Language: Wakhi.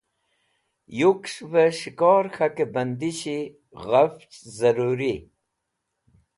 Yuks̃hve S̃hikor K̃hake Bandishi ghafch zaruri